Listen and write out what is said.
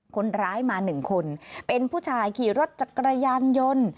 คนร้ายมา๑คนเป็นผู้ชายขี่รถจักรยานยนต์